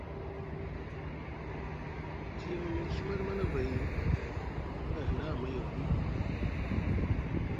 Te yima miŋ Ɵimaɗi Manavay na a hina amay agwi.